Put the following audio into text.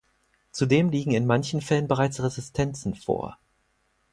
Zudem liegen in manchen Fällen bereits Resistenzen vor.